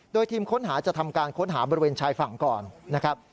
โดยทีมค้นหาจะทำการค้นหาบริเวณชายฝั่งก่อนนะครับ